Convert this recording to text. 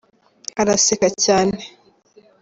araseka cyane.